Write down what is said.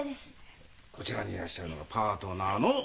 こちらにいらっしゃるのがパートナーの。